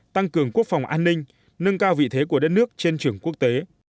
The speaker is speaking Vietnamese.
tăng cường quốc phòng an ninh nâng cao vị thế của đất nước trên trường quốc tế